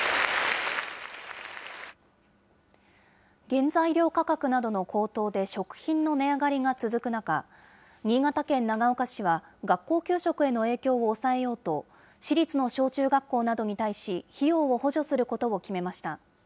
原材料価格などの高騰で、食品の値上がりが続く中、新潟県長岡市は、学校給食への影響を抑えようと、市立の小中学校などに対し、費用